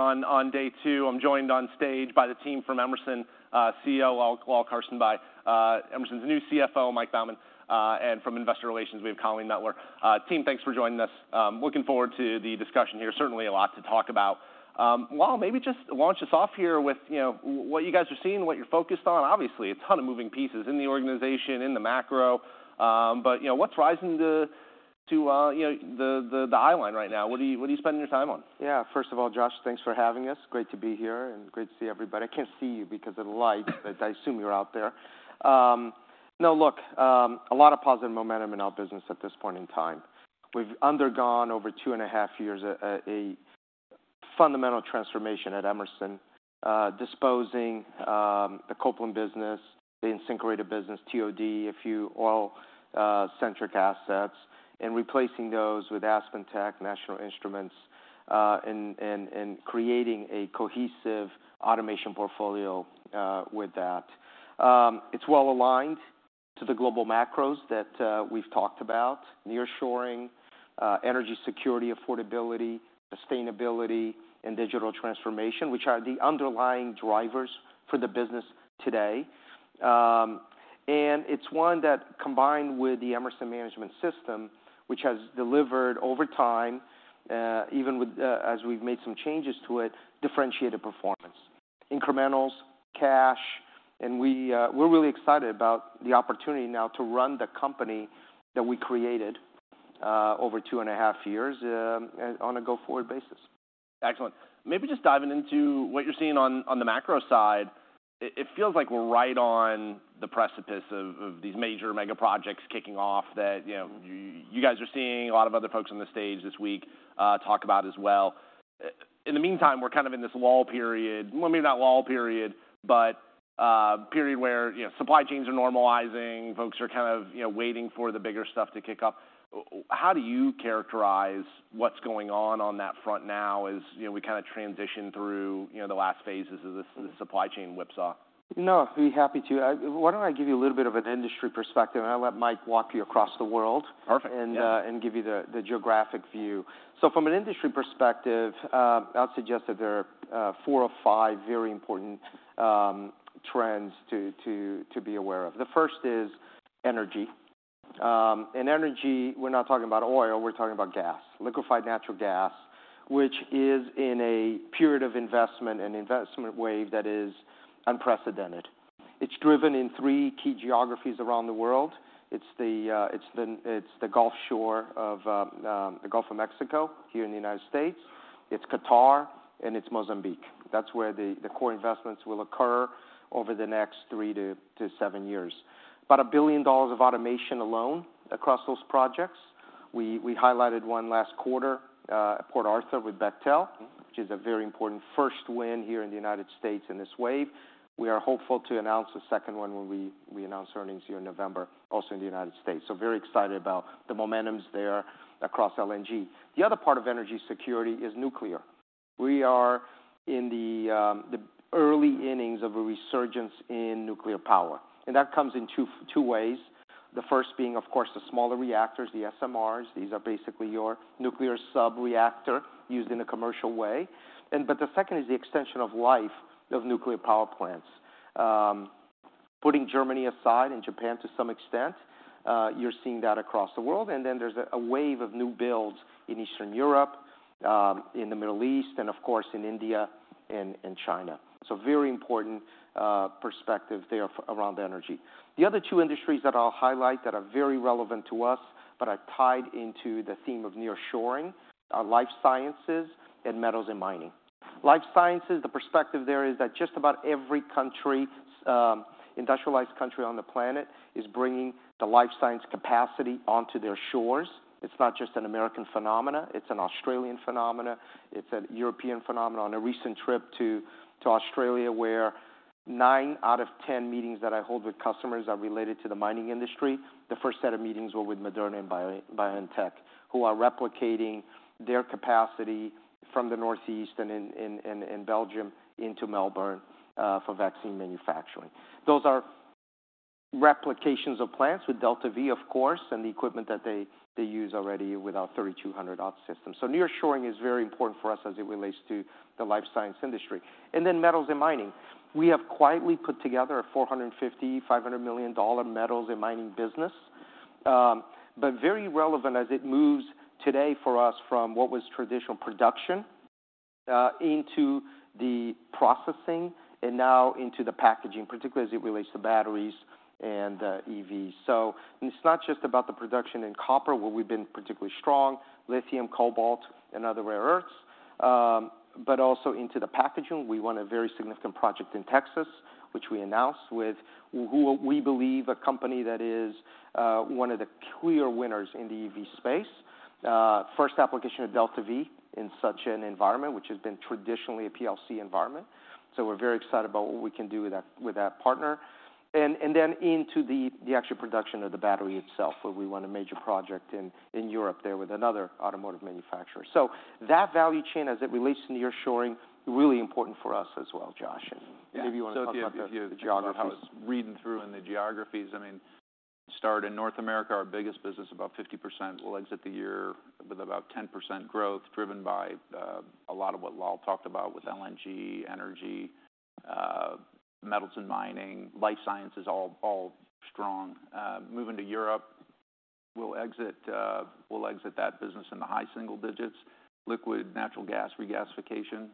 Morning on day two. I'm joined on stage by the team from Emerson, CEO, Lal Karsanbhai, Emerson's new CFO, Mike Baughman, and from Investor Relations, we have Colleen Mettler. Team, thanks for joining us. Looking forward to the discussion here. Certainly a lot to talk about. Lal, maybe just launch us off here with, you know, what you guys are seeing, what you're focused on. Obviously, a ton of moving pieces in the organization, in the macro, but, you know, what's rising to the eyeline right now? What are you spending your time on? Yeah. First of all, Josh, thanks for having us. Great to be here, and great to see everybody. I can't see you because of the light, but I assume you're out there. Now, look, a lot of positive momentum in our business at this point in time. We've undergone, over two and a half years, a fundamental transformation at Emerson, disposing the Copeland business, the InSinkErator business, TOD, a few oil-centric assets, and replacing those with AspenTech, National Instruments, and creating a cohesive automation portfolio with that. It's well aligned to the global macros that we've talked about: nearshoring, energy security, affordability, sustainability, and digital transformation, which are the underlying drivers for the business today. It's one that combined with the Emerson Management System, which has delivered over time, even with, as we've made some changes to it, differentiated performance, incrementals, cash. We're really excited about the opportunity now to run the company that we created, over two and a half years, and on a go-forward basis. Excellent. Maybe just diving into what you're seeing on the macro side. It feels like we're right on the precipice of these major mega projects kicking off that, you know, you guys are seeing, a lot of other folks on the stage this week, talk about as well. In the meantime, we're kind of in this lull period, well, maybe not lull period, but, period where, you know, supply chains are normalizing, folks are kind of, you know, waiting for the bigger stuff to kick off. How do you characterize what's going on on that front now, as, you know, we kind of transition through, you know, the last phases of this- Mm... supply chain whipsaw? No, I'd be happy to. Why don't I give you a little bit of an industry perspective, and I'll let Mike walk you across the world- Perfect, yeah... and give you the geographic view? From an industry perspective, I'd suggest that there are four or five very important trends to be aware of. The first is energy. Energy, we're not talking about oil, we're talking about gas, liquefied natural gas, which is in a period of investment and investment wave that is unprecedented. It's driven in three key geographies around the world. It's the Gulf Shore of the Gulf of Mexico, here in the United States, it's Qatar, and it's Mozambique. That's where the core investments will occur over the next three-seven years. About $1 billion of automation alone across those projects. We highlighted one last quarter at Port Arthur with Bechtel- Mm-hmm... which is a very important first win here in the United States in this wave. We are hopeful to announce a second one when we announce earnings here in November, also in the United States. So very excited about the momentums there across LNG. The other part of energy security is nuclear. We are in the early innings of a resurgence in nuclear power, and that comes in two ways. The first being, of course, the smaller reactors, the SMRs. These are basically your nuclear subreactor, used in a commercial way. But the second is the extension of life of nuclear power plants. Putting Germany aside, and Japan to some extent, you're seeing that across the world, and then there's a wave of new builds in Eastern Europe, in the Middle East, and of course, in India and China. So very important perspective there around energy. The other two industries that I'll highlight that are very relevant to us, but are tied into the theme of nearshoring, are life sciences and metals and mining. Life sciences, the perspective there is that just about every country, industrialized country on the planet, is bringing the life science capacity onto their shores. It's not just an American phenomena, it's an Australian phenomena, it's a European phenomena. On a recent trip to Australia, where nine out of 10 meetings that I hold with customers are related to the mining industry, the first set of meetings were with Moderna and BioNTech, who are replicating their capacity from the Northeast and in Belgium into Melbourne for vaccine manufacturing. Those are replications of plants with DeltaV, of course, and the equipment that they use already with our 3,200-odd systems. So nearshoring is very important for us as it relates to the life science industry. Then metals and mining. We have quietly put together a $450 million-$500 million metals and mining business. But very relevant as it moves today for us from what was traditional production into the processing, and now into the packaging, particularly as it relates to batteries and EVs. So and it's not just about the production in copper, where we've been particularly strong, lithium, cobalt, and other rare earths, but also into the packaging. We won a very significant project in Texas, which we announced with who we believe a company that is one of the clear winners in the EV space. First application of DeltaV in such an environment, which has been traditionally a PLC environment, so we're very excited about what we can do with that partner. And then into the actual production of the battery itself, where we won a major project in Europe there with another automotive manufacturer. So that value chain, as it relates to nearshoring, really important for us as well, Josh. Yeah. Maybe you want to talk about the geography. I was reading through in the geographies, I mean-... start in North America, our biggest business, about 50%. We'll exit the year with about 10% growth, driven by a lot of what Lal talked about with LNG, energy, metals and mining, life sciences, all, all strong. Moving to Europe, we'll exit, we'll exit that business in the high single digits. Liquefied natural gas, regasification,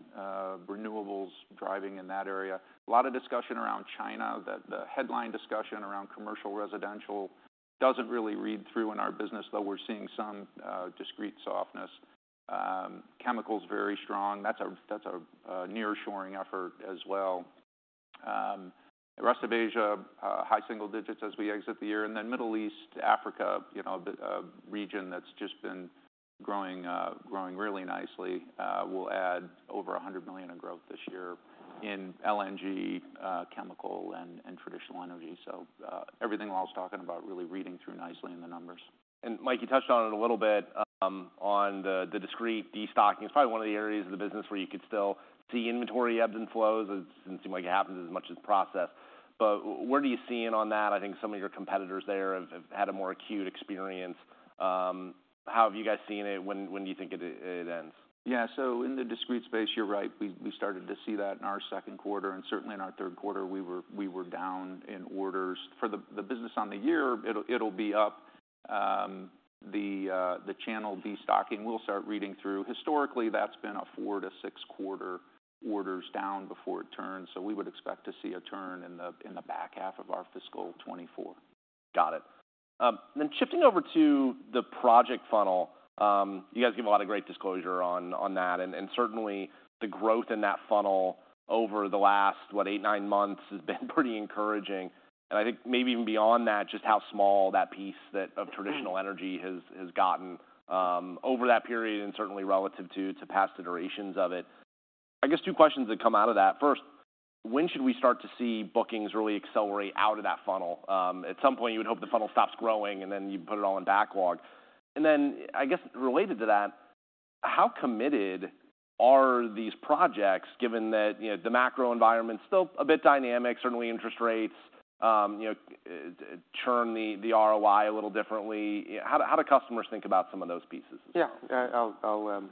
renewables, driving in that area. A lot of discussion around China. The headline discussion around commercial, residential doesn't really read through in our business, though we're seeing some discrete softness. Chemicals, very strong. That's a nearshoring effort as well. The rest of Asia, high single digits as we exit the year, and then Middle East, Africa, you know, the region that's just been growing, growing really nicely, will add over $100 million in growth this year in LNG, chemical, and, and traditional energy. Everything Lal was talking about really reading through nicely in the numbers. Mike, you touched on it a little bit, on the discrete destocking. It's probably one of the areas of the business where you could still see inventory ebbs and flows. It doesn't seem like it happens as much as process. But where do you see in on that? I think some of your competitors there have had a more acute experience. How have you guys seen it? When do you think it ends? Yeah. So in the discrete space, you're right. We started to see that in our second quarter, and certainly in our third quarter, we were down in orders. For the business on the year, it'll be up. The channel destocking will start reading through. Historically, that's been a four-six quarter orders down before it turns, so we would expect to see a turn in the back half of our fiscal 2024. Got it. Then shifting over to the project funnel, you guys give a lot of great disclosure on that, and certainly, the growth in that funnel over the last, what, eight, nine months has been pretty encouraging, and I think maybe even beyond that, just how small that piece of traditional energy has gotten over that period and certainly relative to past iterations of it. I guess two questions that come out of that. First, when should we start to see bookings really accelerate out of that funnel? At some point, you would hope the funnel stops growing, and then you put it all in backlog. And then, I guess related to that, how committed are these projects, given that, you know, the macro environment's still a bit dynamic, certainly interest rates, you know, churn the ROI a little differently? How do customers think about some of those pieces? Yeah, I'll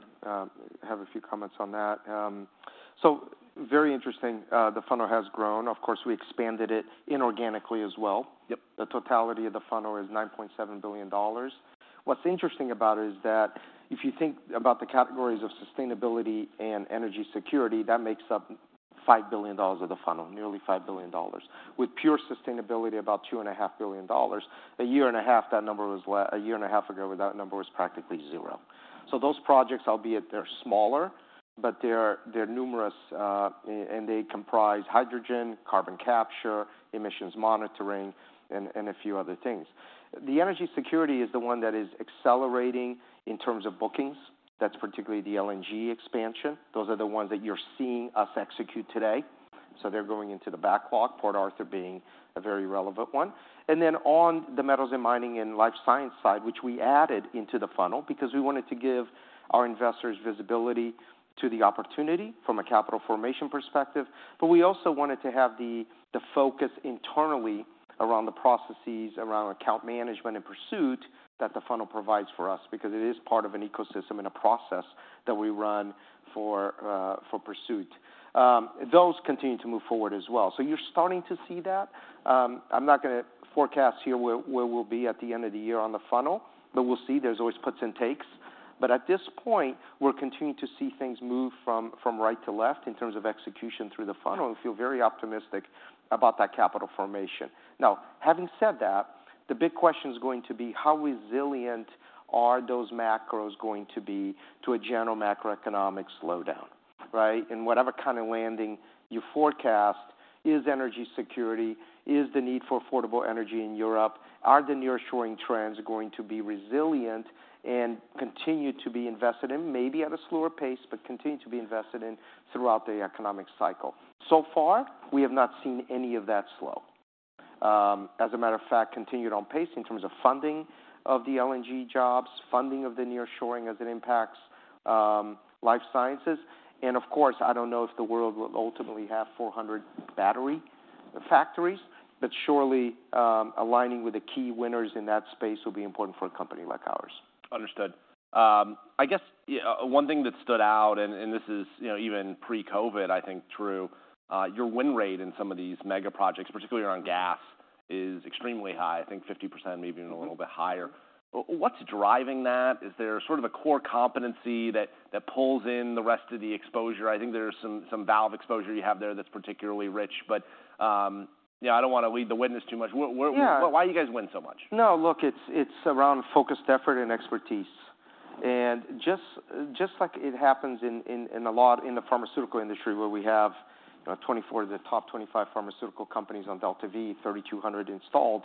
have a few comments on that. So very interesting, the funnel has grown. Of course, we expanded it inorganically as well. Yep. The totality of the funnel is $9.7 billion. What's interesting about it is that if you think about the categories of sustainability and energy security, that makes up $5 billion of the funnel, nearly $5 billion, with pure sustainability, about $2.5 billion. A year and a half ago, that number was practically zero. So those projects, albeit they're smaller, but they're, they're numerous, and they comprise hydrogen, carbon capture, emissions monitoring, and a few other things. The energy security is the one that is accelerating in terms of bookings. That's particularly the LNG expansion. Those are the ones that you're seeing us execute today, so they're going into the backlog, Port Arthur being a very relevant one. And then, on the metals and mining and life science side, which we added into the funnel because we wanted to give our investors visibility to the opportunity from a capital formation perspective, but we also wanted to have the focus internally around the processes, around account management and pursuit, that the funnel provides for us because it is part of an ecosystem and a process that we run for pursuit. Those continue to move forward as well. So you're starting to see that. I'm not gonna forecast here where we'll be at the end of the year on the funnel, but we'll see. There's always puts and takes, but at this point, we're continuing to see things move from right to left in terms of execution through the funnel, and we feel very optimistic about that capital formation. Now, having said that, the big question is going to be: How resilient are those macros going to be to a general macroeconomic slowdown, right? In whatever kind of landing you forecast, is energy security, is the need for affordable energy in Europe, are the nearshoring trends going to be resilient and continue to be invested in, maybe at a slower pace, but continue to be invested in throughout the economic cycle? So far, we have not seen any of that slow. As a matter of fact, continued on pace in terms of funding of the LNG jobs, funding of the nearshoring as it impacts, life sciences, and of course, I don't know if the world will ultimately have 400 battery factories, but surely, aligning with the key winners in that space will be important for a company like ours. Understood. I guess, yeah, one thing that stood out, and, and this is, you know, even pre-COVID, I think, true, your win rate in some of these mega projects, particularly around gas, is extremely high. I think 50%, maybe even a little bit higher. What's driving that? Is there sort of a core competency that, that pulls in the rest of the exposure? I think there's some, some valve exposure you have there that's particularly rich, but, yeah, I don't wanna lead the witness too much. Yeah. Why do you guys win so much? No, look, it's around focused effort and expertise, and just like it happens in a lot in the pharmaceutical industry, where we have 24... the top 25 pharmaceutical companies on DeltaV, 3,200 installed.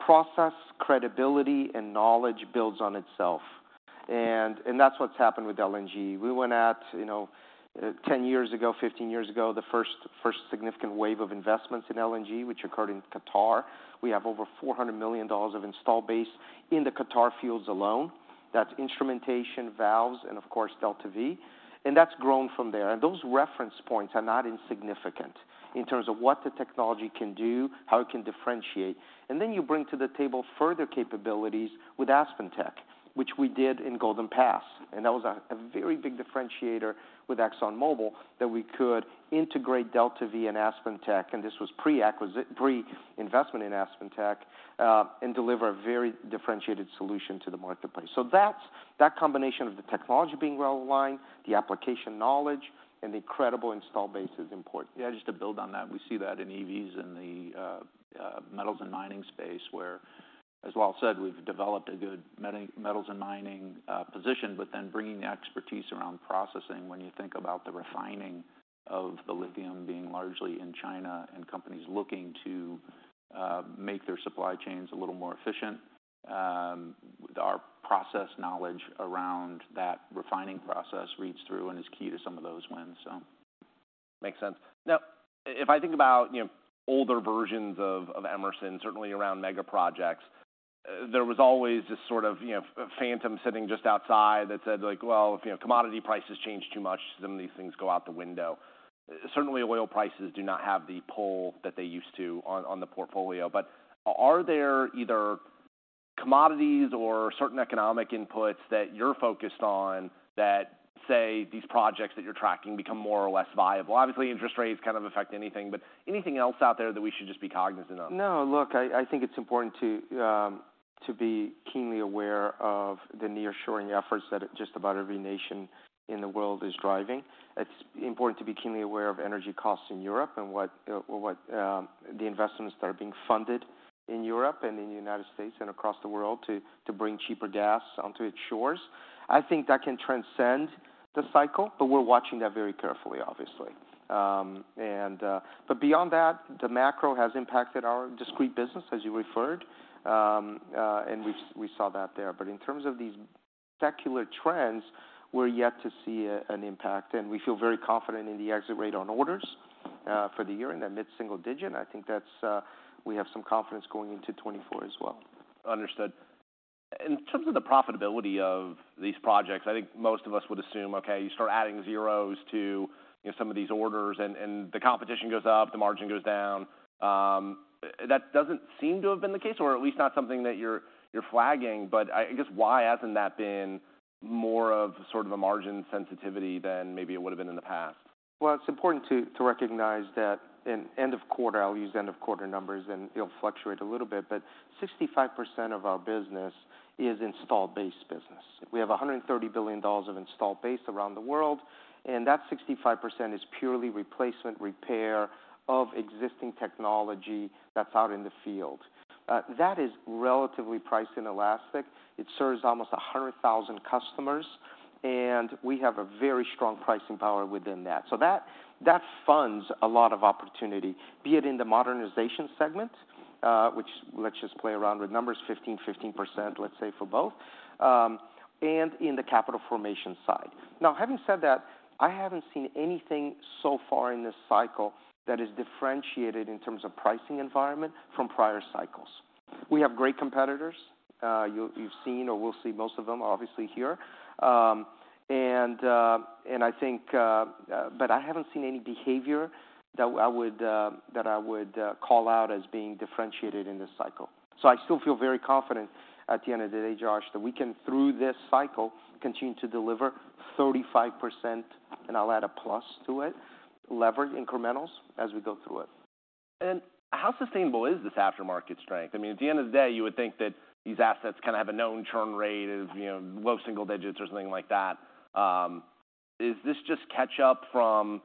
Process credibility and knowledge builds on itself, and that's what's happened with LNG. We went at, you know, 10 years ago, 15 years ago, the first significant wave of investments in LNG, which occurred in Qatar. We have over $400 million of installed base in the Qatar fields alone. That's instrumentation, valves, and of course, DeltaV, and that's grown from there, and those reference points are not insignificant. In terms of what the technology can do, how it can differentiate, and then you bring to the table further capabilities with AspenTech, which we did in Golden Pass, and that was a very big differentiator with ExxonMobil, that we could integrate DeltaV and AspenTech, and this was pre-investment in AspenTech, and deliver a very differentiated solution to the marketplace. So that's that combination of the technology being well aligned, the application knowledge, and the incredible install base is important. Yeah, just to build on that, we see that in EVs and the metals and mining space, where, as well said, we've developed a good metals and mining position, but then bringing the expertise around processing, when you think about the refining of the lithium being largely in China, and companies looking to make their supply chains a little more efficient, our process knowledge around that refining process reads through and is key to some of those wins, so. Makes sense. Now, if I think about, you know, older versions of, of Emerson, certainly around mega projects, there was always this sort of, you know, phantom sitting just outside that said, like, "Well, if, you know, commodity prices change too much, some of these things go out the window." Certainly, oil prices do not have the pull that they used to on, on the portfolio, but are there either commodities or certain economic inputs that you're focused on that say these projects that you're tracking become more or less viable? Obviously, interest rates kind of affect anything, but anything else out there that we should just be cognizant of? No, look, I think it's important to be keenly aware of the nearshoring efforts that just about every nation in the world is driving. It's important to be keenly aware of energy costs in Europe and what, what, the investments that are being funded in Europe and in the United States and across the world to bring cheaper gas onto its shores. I think that can transcend the cycle, but we're watching that very carefully, obviously. But beyond that, the macro has impacted our discrete business, as you referred, and we saw that there. But in terms of these secular trends, we're yet to see an impact, and we feel very confident in the exit rate on orders for the year in that mid-single digit. I think that's. We have some confidence going into 2024 as well. Understood. In terms of the profitability of these projects, I think most of us would assume, okay, you start adding zeros to, you know, some of these orders, and, and the competition goes up, the margin goes down. That doesn't seem to have been the case, or at least not something that you're, you're flagging, but I- I guess why hasn't that been more of sort of a margin sensitivity than maybe it would've been in the past? Well, it's important to recognize that in end of quarter, I'll use the end of quarter numbers, and it'll fluctuate a little bit, but 65% of our business is installed base business. We have $130 billion of installed base around the world, and that 65% is purely replacement, repair of existing technology that's out in the field. That is relatively price inelastic. It serves almost 100,000 customers, and we have a very strong pricing power within that. So that funds a lot of opportunity, be it in the modernization segment, which let's just play around with numbers, 15%, 15%, let's say, for both, and in the capital formation side. Now, having said that, I haven't seen anything so far in this cycle that is differentiated in terms of pricing environment from prior cycles. We have great competitors. You've seen or will see most of them, obviously, here. But I haven't seen any behavior that I would call out as being differentiated in this cycle. So I still feel very confident, at the end of the day, Josh, that we can, through this cycle, continue to deliver 35%+, levered incrementals as we go through it. How sustainable is this aftermarket strength? I mean, at the end of the day, you would think that these assets kind of have a known churn rate of, you know, low single digits or something like that. Is this just catch up from,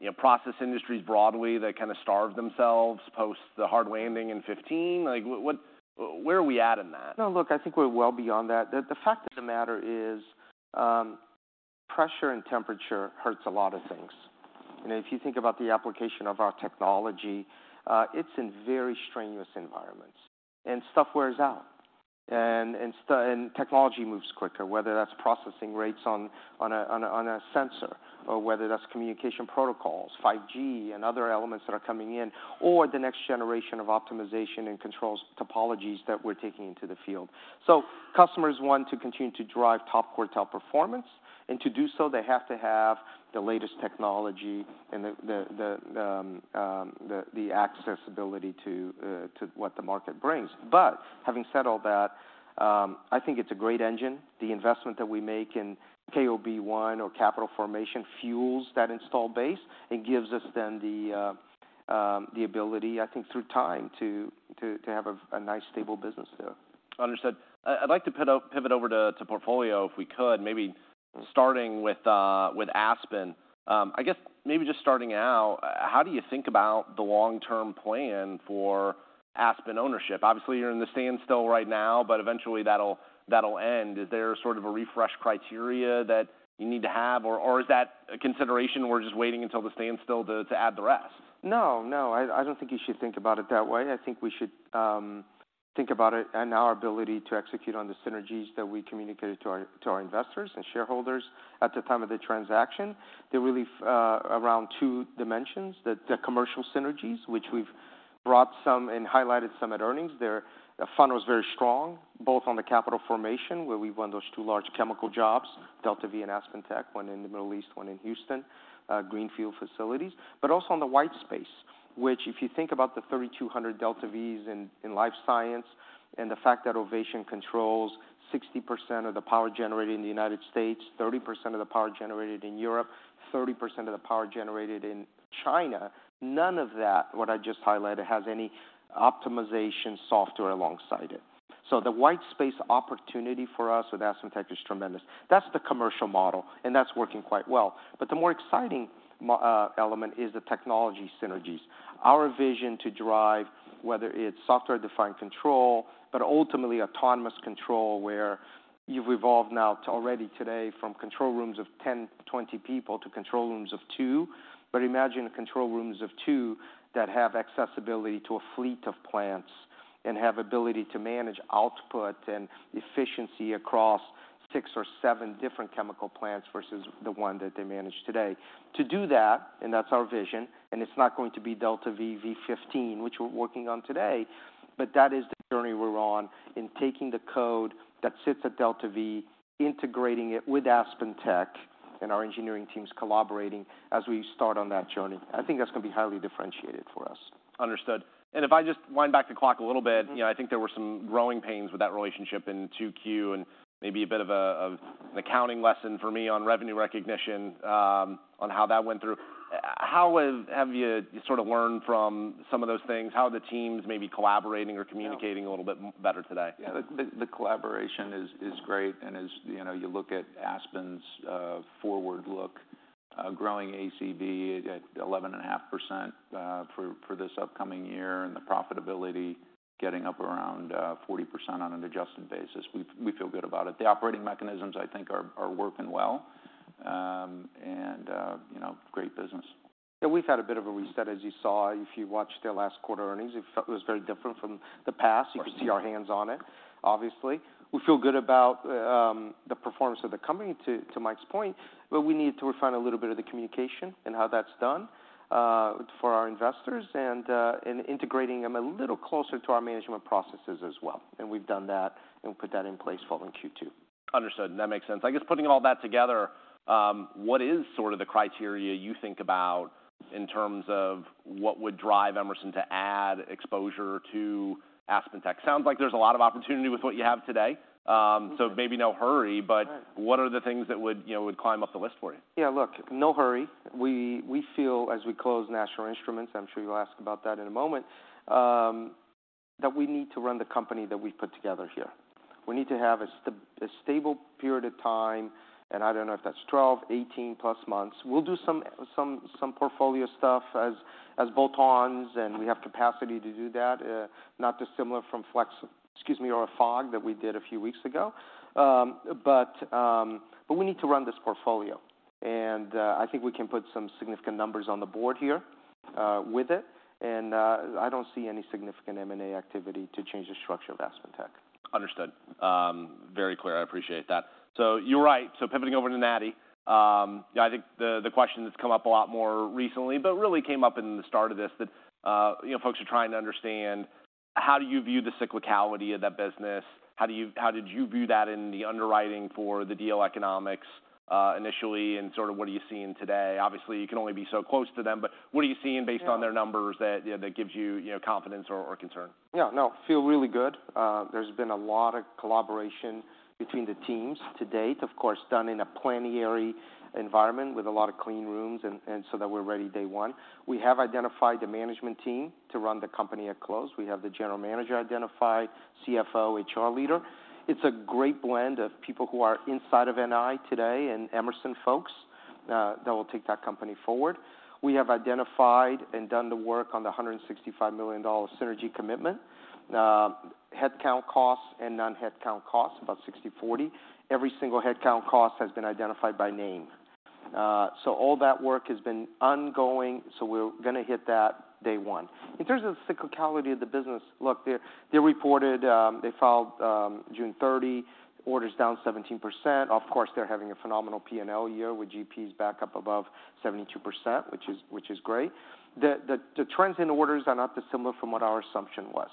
you know, process industries broadly, that kind of starved themselves post the hard landing in 2015? Like, what, where are we at in that? No, look, I think we're well beyond that. The fact of the matter is, pressure and temperature hurts a lot of things. And if you think about the application of our technology, it's in very strenuous environments, and stuff wears out and technology moves quicker, whether that's processing rates on a sensor or whether that's communication protocols, 5G and other elements that are coming in, or the next generation of optimization and controls topologies that we're taking into the field. So customers want to continue to drive top quartile performance, and to do so, they have to have the latest technology and the accessibility to what the market brings. But having said all that, I think it's a great engine. The investment that we make in KOB 1 or capital formation fuels that installed base and gives us then the ability, I think, through time, to have a nice, stable business there. Understood. I'd like to pivot over to portfolio, if we could, maybe starting with Aspen. I guess maybe just starting out, how do you think about the long-term plan for Aspen ownership? Obviously, you're in the standstill right now, but eventually that'll end. Is there sort of a refresh criteria that you need to have, or is that a consideration? We're just waiting until the standstill to add the rest? No, no, I don't think you should think about it that way. I think we should think about it and our ability to execute on the synergies that we communicated to our investors and shareholders at the time of the transaction. They're really around two dimensions, the commercial synergies, which we've brought some and highlighted some at earnings. Their fund was very strong, both on the capital formation, where we won those two large chemical jobs, DeltaV and AspenTech, one in the Middle East, one in Houston, greenfield facilities, but also on the white space, which, if you think about the 3,200 DeltaVs in life science and the fact that Ovation controls 60% of the power generated in the United States, 30% of the power generated in Europe, 30% of the power generated in China, none of that, what I just highlighted, has any optimization software alongside it. So the white space opportunity for us with AspenTech is tremendous. That's the commercial model, and that's working quite well. But the more exciting element is the technology synergies. Our vision to drive, whether it's software-defined control, but ultimately autonomous control, where you've evolved now to already today from control rooms of 10, 20 people to control rooms of two. But imagine control rooms of two that have accessibility to a fleet of plants and have ability to manage output and efficiency across six or seven different chemical plants versus the one that they manage today. To do that, and that's our vision, and it's not going to be DeltaV v15, which we're working on today, but that is the journey we're on in taking the code that sits at DeltaV, integrating it with AspenTech and our engineering teams collaborating as we start on that journey. I think that's going to be highly differentiated for us. Understood. If I just wind back the clock a little bit- Mm-hmm. You know, I think there were some growing pains with that relationship in 2Q, and maybe a bit of an accounting lesson for me on revenue recognition on how that went through. How have you sort of learned from some of those things? How are the teams maybe collaborating or communicating- Yeah A little bit better today? Yeah, the collaboration is great, and as you know, you look at Aspen's forward look, growing ACV at 11.5%, for this upcoming year, and the profitability getting up around 40% on an adjusted basis. We feel good about it. The operating mechanisms, I think, are working well, and you know, great business. We've had a bit of a reset, as you saw. If you watched the last quarter earnings, it felt it was very different from the past. Right. You could see our hands on it, obviously. We feel good about the performance of the company, to Mike's point, but we need to refine a little bit of the communication and how that's done for our investors and integrating them a little closer to our management processes as well, and we've done that and put that in place following Q2. Understood. That makes sense. I guess putting all that together, what is sort of the criteria you think about in terms of what would drive Emerson to add exposure to AspenTech? Sounds like there's a lot of opportunity with what you have today, so maybe no hurry- Right... but what are the things that would, you know, would climb up the list for you? Yeah, look, no hurry. We feel, as we close National Instruments, I'm sure you'll ask about that in a moment, that we need to run the company that we've put together here. We need to have a stable period of time, and I don't know if that's 12, 18+ months. We'll do some portfolio stuff as bolt-ons, and we have capacity to do that, not dissimilar from Flex, excuse me, or Afag, that we did a few weeks ago. But we need to run this portfolio, and I think we can put some significant numbers on the board here with it, and I don't see any significant M&A activity to change the structure of AspenTech. Understood. Very clear. I appreciate that. So you're right. So pivoting over to NI, yeah, I think the question that's come up a lot more recently, but really came up in the start of this, that you know, folks are trying to understand how do you view the cyclicality of that business? How do you—how did you view that in the underwriting for the deal economics, initially, and sort of what are you seeing today? Obviously, you can only be so close to them, but what are you seeing based on their- Yeah... numbers that, yeah, that gives you, you know, confidence or, or concern? Yeah, no, feel really good. There's been a lot of collaboration between the teams to date, of course, done in a plenary environment with a lot of clean rooms and so that we're ready day one. We have identified the management team to run the company at close. We have the general manager identified, CFO, HR leader. It's a great blend of people who are inside of NI today and Emerson folks that will take that company forward. We have identified and done the work on the $165 million synergy commitment, headcount costs and non-headcount costs, about 60/40. Every single headcount cost has been identified by name. So all that work has been ongoing, so we're gonna hit that day one. In terms of the cyclicality of the business, look, they reported, they filed, June 30, orders down 17%. Of course, they're having a phenomenal P&L year with GPs back up above 72%, which is great. The trends in orders are not dissimilar from what our assumption was.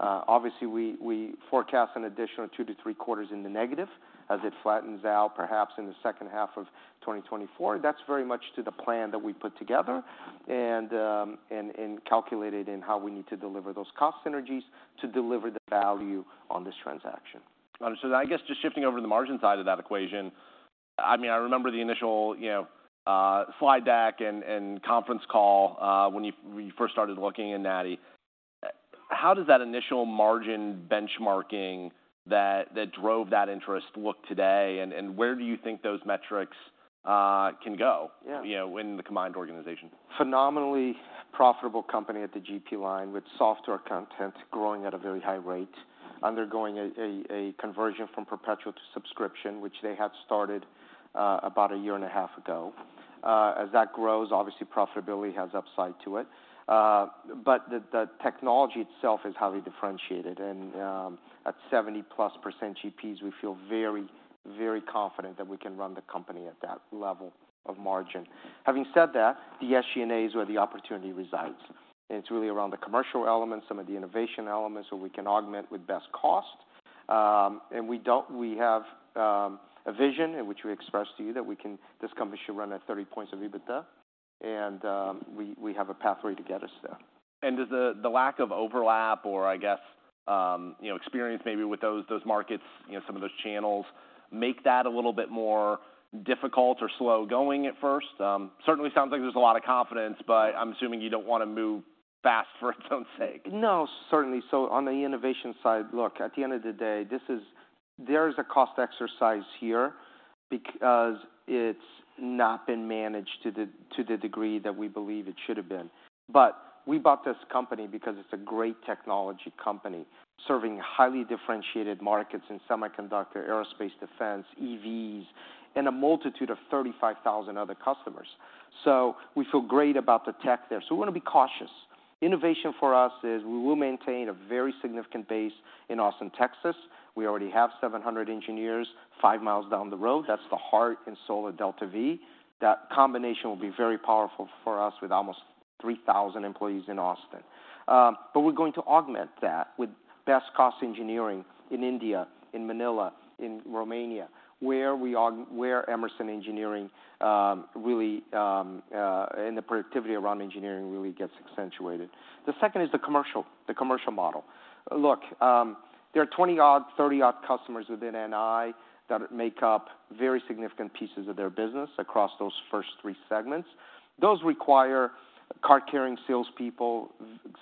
Obviously, we forecast an additional two-three quarters in the negative as it flattens out, perhaps in the second half of 2024. That's very much to the plan that we put together and calculated in how we need to deliver those cost synergies to deliver the value on this transaction. Understood. I guess just shifting over to the margin side of that equation, I mean, I remember the initial, you know, slide deck and, and conference call, when you, when you first started looking into NI. How does that initial margin benchmarking that, that drove that interest look today, and, and where do you think those metrics can go? Yeah... you know, in the combined organization? Phenomenally profitable company at the GP line, with software content growing at a very high rate, undergoing a conversion from perpetual to subscription, which they had started about a year and a half ago. As that grows, obviously, profitability has upside to it. But the technology itself is highly differentiated, and at 70%+ GPs, we feel very, very confident that we can run the company at that level of margin... Having said that, the SG&A is where the opportunity resides, and it's really around the commercial elements, some of the innovation elements, where we can augment with best cost. And we don't-- We have a vision in which we express to you that we can-- this company should run at 30 points of EBITDA, and we have a pathway to get us there. Does the lack of overlap, or I guess, you know, experience maybe with those markets, you know, some of those channels, make that a little bit more difficult or slow-going at first? Certainly sounds like there's a lot of confidence, but I'm assuming you don't want to move fast for its own sake. No, certainly. So on the innovation side, look, at the end of the day, this is, there is a cost exercise here because it's not been managed to the degree that we believe it should have been. But we bought this company because it's a great technology company, serving highly differentiated markets in semiconductor, aerospace, defense, EVs, and a multitude of 35,000 other customers. So we feel great about the tech there, so we want to be cautious. Innovation for us is, we will maintain a very significant base in Austin, Texas. We already have 700 engineers, 5mi down the road. That's the heart and soul of DeltaV. That combination will be very powerful for us, with almost 3,000 employees in Austin. But we're going to augment that with best cost engineering in India, in Manila, in Romania, where we are... Where Emerson Engineering really and the productivity around engineering really gets accentuated. The second is the commercial, the commercial model. Look, there are 20-odd, 30-odd customers within NI that make up very significant pieces of their business across those first three segments. Those require card-carrying salespeople,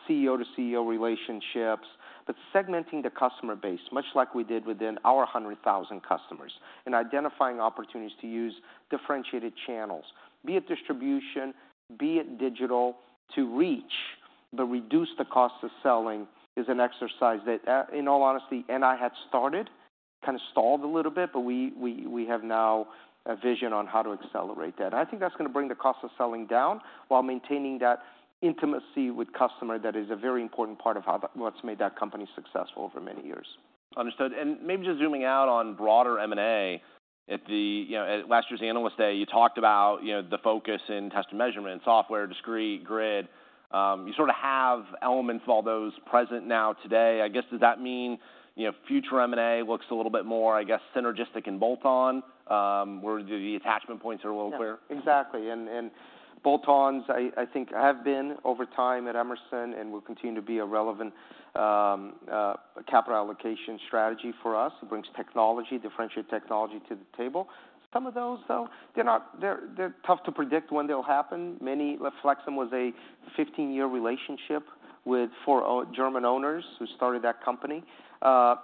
CEO to CEO relationships, but segmenting the customer base, much like we did within our 100,000 customers, and identifying opportunities to use differentiated channels. Be it distribution, be it digital, to reach, but reduce the cost of selling is an exercise that, in all honesty, NI had started, kind of stalled a little bit, but we, we, we have now a vision on how to accelerate that. I think that's gonna bring the cost of selling down while maintaining that intimacy with customer. That is a very important part of how, what's made that company successful for many years. Understood. And maybe just zooming out on broader M&A. You know, at last year's Analyst Day, you talked about, you know, the focus in test and measurement, software, discrete, grid. You sort of have elements of all those present now today. I guess, does that mean, you know, future M&A looks a little bit more, I guess, synergistic and bolt-on? Where the attachment points are a little clearer? Exactly. And bolt-ons, I think, have been over time at Emerson and will continue to be a relevant capital allocation strategy for us. It brings technology, differentiated technology to the table. Some of those, though, they're not... They're tough to predict when they'll happen. Many, Flexim was a 15-year relationship with 4 German owners who started that company,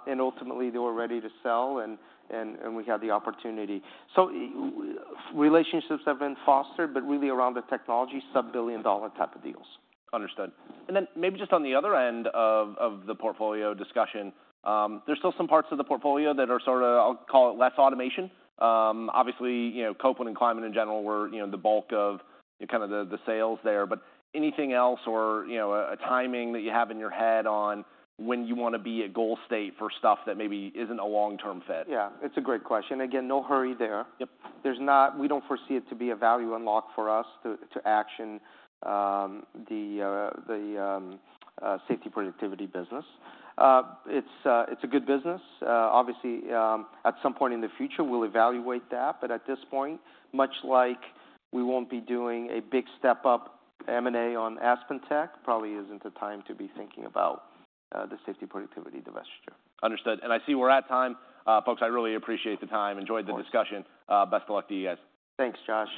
and ultimately they were ready to sell, and we had the opportunity. So relationships have been fostered, but really around the technology, sub-$1 billion-dollar type of deals. Understood. And then maybe just on the other end of the portfolio discussion, there's still some parts of the portfolio that are sort of, I'll call it, less automation. Obviously, you know, Copeland and Climate, in general, were, you know, the bulk of, kind of the sales there. But anything else or, you know, a timing that you have in your head on when you want to be at goal state for stuff that maybe isn't a long-term fit? Yeah, it's a great question. Again, no hurry there. Yep. We don't foresee it to be a value unlock for us to action the safety productivity business. It's a good business. Obviously, at some point in the future, we'll evaluate that, but at this point, much like we won't be doing a big step up M&A on AspenTech, probably isn't the time to be thinking about the safety productivity divestiture. Understood. I see we're at time. Folks, I really appreciate the time. Enjoyed the discussion. Of course. Best of luck to you guys. Thanks, Josh.